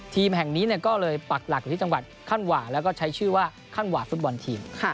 ทีมแห่งนี้ก็เลยปักหลักอยู่ที่จังหวัดขั้นหว่างแล้วก็ใช้ชื่อว่าขั้นหว่าฟุตบอลทีม